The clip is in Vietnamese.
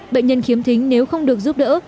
bệnh nhân khiếm thính nếu không được giúp đỡ